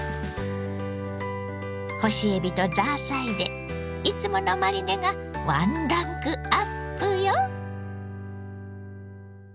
干しエビとザーサイでいつものマリネがワンランクアップよ。